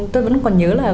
tôi vẫn còn nhớ là